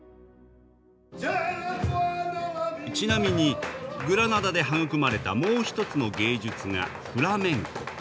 ちなみにグラナダで育まれたもう一つの芸術がフラメンコ。